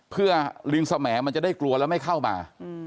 เพื่อลิงสมมันจะได้กลัวแล้วไม่เข้ามา